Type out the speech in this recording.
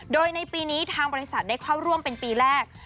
โดยในปีนี้ทางบริษัทได้เข้าร่วมเป็นปีแรก